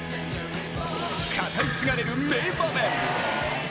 語り継がれる名場面！